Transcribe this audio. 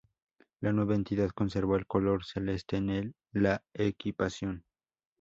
La nueva entidad conservó el color celeste en la equipación.